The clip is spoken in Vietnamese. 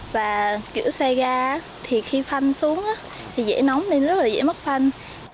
và kiểu xe ga thì khi phanh xuống thì dễ nóng nên rất là dễ mất phanh